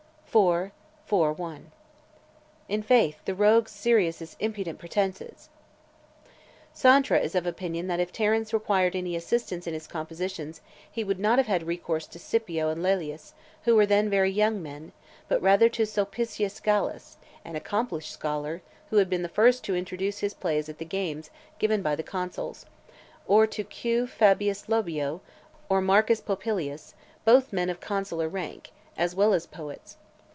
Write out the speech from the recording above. IV. iv. 1. I'faith! the rogue Syrus's impudent pretences Santra is of opinion that if Terence required any assistance in his compositions , he would not have had recourse to Scipio and Laelius, who were then very young men, but rather to Sulpicius Gallus , an accomplished scholar, who had been the first to introduce his plays at the games given by the consuls; or to Q. Fabius Labeo, or Marcus Popilius , both men of consular rank, as well as poets.